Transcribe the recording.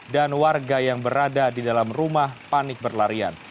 dan warga yang berada di dalam rumah panik berlarian